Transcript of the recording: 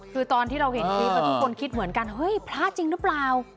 คือตอนที่เราเห็นคลิปแล้วทุกคนคิดเหมือนกันเฮ้ยพระจริงหรือเปล่า